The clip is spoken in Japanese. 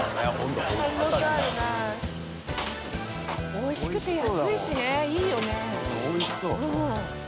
おいしくて安いしねいいよね。